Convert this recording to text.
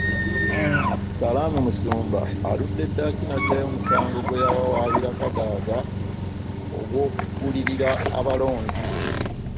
Salami Musumba aludde ddaaki n'aggyayo omusango gwe yawawaabira Kadaga ogw'okugulirira abalonzi.